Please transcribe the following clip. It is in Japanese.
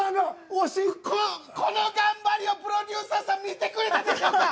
この頑張りをプロデューサーさん見てくれたでしょうか！